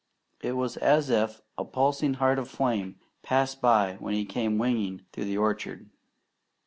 It was as if a pulsing heart of flame passed by when he came winging through the orchard.